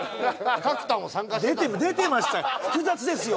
角田も参加してた出てる出てました複雑ですよ